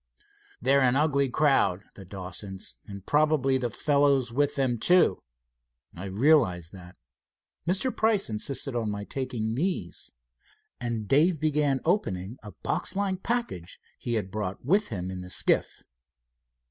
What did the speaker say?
"They're an ugly crowd the Dawsons, and probably the fellows with them, too." "I realize that. Mr. Price insisted on my taking these," and Dave began opening a boxlike package he had brought with him in the skiff.